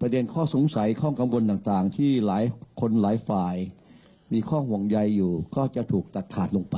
ประเด็นข้อสงสัยข้อกังวลต่างที่หลายคนหลายฝ่ายมีข้อห่วงใยอยู่ก็จะถูกตัดขาดลงไป